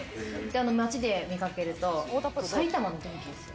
街で見掛けると、埼玉のドンキですよ？